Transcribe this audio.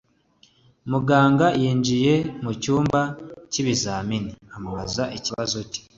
Muganga yinjiye mucyumba cy’ibizamini amubaza ikibazo cye